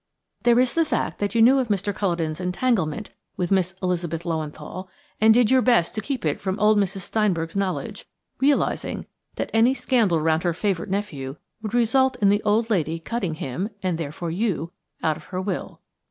There is the fact that you knew of Mr. Culledon's entanglement with Miss Elizabeth Löwenthal, and did your best to keep it from old Mrs. Steinberg's knowledge, realising that any scandal round her favourite nephew would result in the old lady cutting him–and therefore you–out of her will.